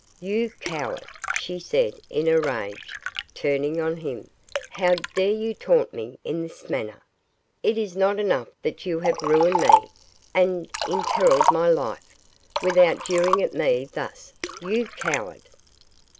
'You coward!' she said, in a rage, turning on him, 'how dare you taunt me in this manner? it is not enough that you have ruined me, and imperilled my life, without jeering at me thus, you coward?